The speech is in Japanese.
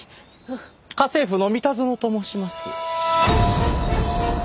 家政夫の三田園と申します。